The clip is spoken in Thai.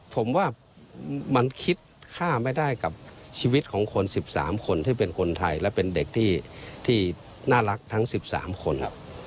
ผมว่ามันคิดค่าไม่ได้กับชีวิตของคน๑๓คนที่เป็นคนไทยและเป็นเด็กที่น่ารักทั้ง๑๓คน